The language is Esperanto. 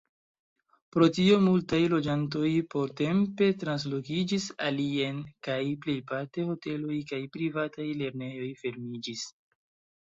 Pro tio multaj loĝantoj portempe translokiĝis alien, kaj plejparte hoteloj kaj privataj lernejoj fermiĝis.